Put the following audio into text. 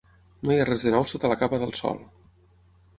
No hi ha res de nou sota la capa del sol.